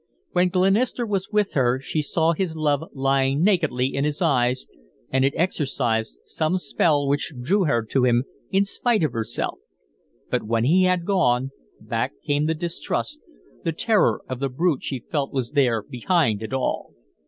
When Glenister was with her she saw his love lying nakedly in his eyes and it exercised some spell which drew her to him in spite of herself, but when he had gone, back came the distrust, the terror of the brute she felt was there behind it all.